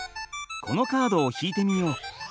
このカードを引いてみよう！